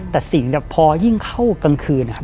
แต่สิ่งพอยิ่งเข้ากลางคืนนะครับ